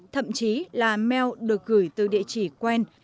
thậm chí là mail được gửi từ địa chỉ quen